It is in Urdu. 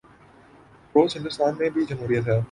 پڑوس ہندوستان میں بھی جمہوریت ہے۔